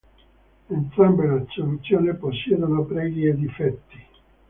Entrambe le soluzioni possiedono pregi e difetti.